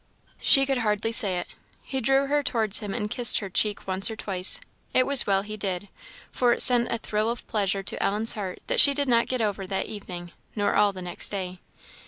She could hardly say it. He drew her towards him and kissed her cheek once or twice: it was well he did; for it sent a thrill of pleasure to Ellen's heart that she did not get over that evening, nor all the next day.